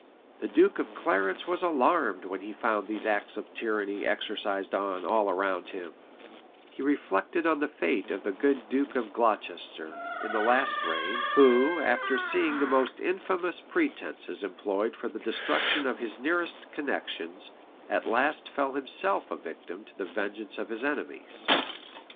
[] The duke of Clarence was alarmed when he found these acts of tyranny exercised on all around him: he reflected on the fate of the good duke of Glocester, in the last reign, who, after seeing the most infamous pretences employed for the destruction of his nearest connections, at last fell himself a victim to the vengeance of his enemies.